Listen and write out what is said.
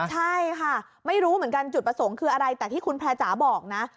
ใช่ค่ะไม่รู้เหมือนกันจุดประสงค์คืออะไรแต่ที่คุณแพร่จ๋าบอกนะ